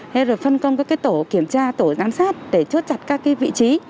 hay là phân công các tổ kiểm tra tổ giám sát để chốt chặt các vị trí